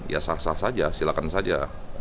ya sah sah saja silakan saja